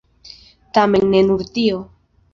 Tamen ne nur tio.